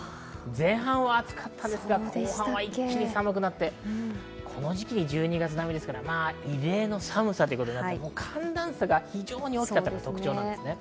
前半は暑かったんですが、後半は一気に寒くなって、この時期に１２月並みですから、異例の寒さということになって寒暖差が非常に大きかったのが特徴です。